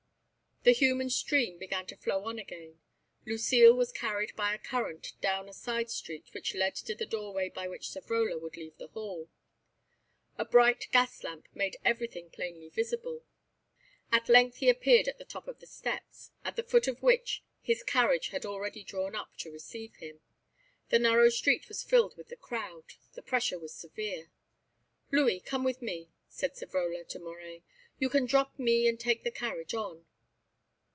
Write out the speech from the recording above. The human stream began to flow on again. Lucile was carried by a current down a side street which led to the doorway by which Savrola would leave the hall. A bright gas lamp made everything plainly visible. At length he appeared at the top of the steps, at the foot of which his carriage had already drawn up to receive him. The narrow street was filled with the crowd; the pressure was severe. "Louis, come with me," said Savrola to Moret; "you can drop me and take the carriage on."